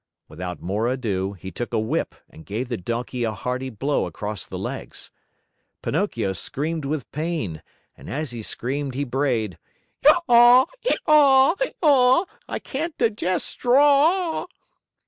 Without more ado, he took a whip and gave the Donkey a hearty blow across the legs. Pinocchio screamed with pain and as he screamed he brayed: "Haw! Haw! Haw! I can't digest straw!"